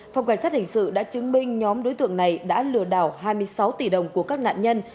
phòng cảnh sát hình sự đã chứng minh nhóm đối tượng này đã lừa đảo hai mươi sáu tỷ đồng của các nạn nhân